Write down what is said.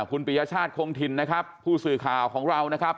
คุณปียชาติคงถิ่นนะครับผู้สื่อข่าวของเรานะครับ